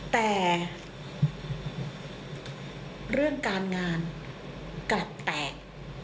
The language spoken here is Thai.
แต่เรื่องการงานกลับแตก